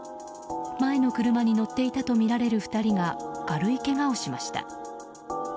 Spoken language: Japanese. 前の車に乗っていたとみられる２人が軽いけがをしました。